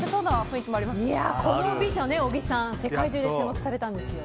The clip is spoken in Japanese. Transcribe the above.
この美女、小木さん世界中で注目されたんですよね。